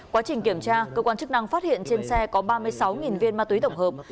quá trình kiểm tra cơ quan chức năng phát hiện trên xe có ba mươi sáu viên ma túy tổng hợp